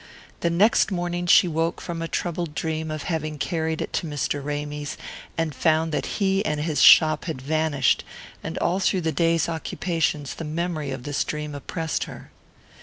The next morning she woke from a troubled dream of having carried it to Mr. Ramy's, and found that he and his shop had vanished; and all through the day's occupations the memory of this dream oppressed her.